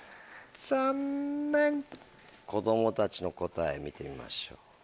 子供たちの答え見てみましょう。